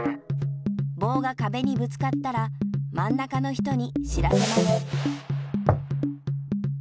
ぼうがかべにぶつかったらまん中の人に知らせます。